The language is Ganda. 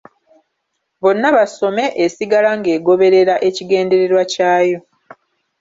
Bonna Basome esigala ng'egoberera ekigendererwa kyayo.